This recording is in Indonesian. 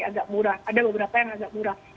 agak murah ada beberapa yang agak murah